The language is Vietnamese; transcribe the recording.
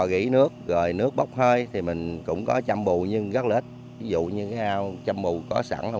rỉ nước rồi nước bốc hơi thì mình cũng có châm bù nhưng rất là ít ví dụ như cái ao châm bù có sẵn một năm trăm linh khối